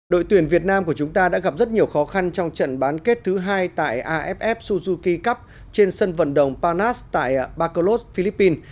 đội tuyển việt nam của chúng ta đã gặp rất nhiều khó khăn trong trận bán kết thứ hai tại aff suzuki cup trên sân vận động panas tại barcolos philippines